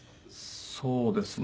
そうですね。